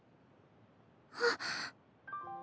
あっ！